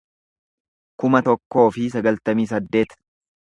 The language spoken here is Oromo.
kuma tokkoo fi sagaltamii saddeet